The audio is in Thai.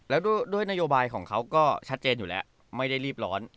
แล้วด้วยนโยบายของเขาก็ชัดเจนอยู่แล้วไม่ได้รีบร้อน